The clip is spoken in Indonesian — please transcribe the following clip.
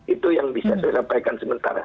itu yang bisa saya sampaikan sementara